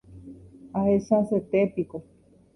Ahechasete piko.